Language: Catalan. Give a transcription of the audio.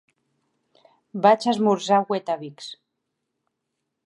Vaig esmorzar Weetabix.